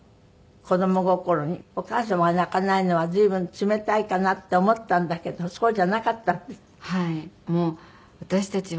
子ども心にお母様が泣かないのは随分冷たいかなって思ったんだけどそうじゃなかったんですって？